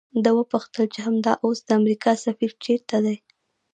ده وپوښتل چې همدا اوس د امریکا سفیر چیرته دی؟